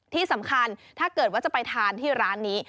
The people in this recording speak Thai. ที่สำคัญถ้าเกิดว่าจะไปทานที่ร้านนี้